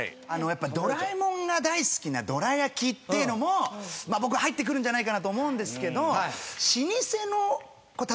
やっぱドラえもんが大好きなどら焼きっていうのも僕は入ってくるんじゃないかなと思うんですけど。